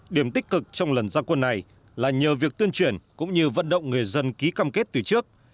điểm tích cực trong lần gia quân này là nhờ việc tuyên truyền cũng như vận động người dân ký cam kết từ trước